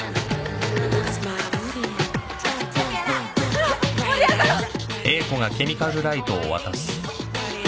ほら盛り上がろう。